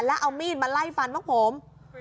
แล้วเอามีนมาไล่ฟันครับผม